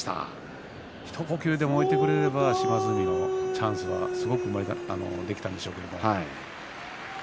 一呼吸でもおいてくれれば島津海のチャンスができたんでしょうけれども。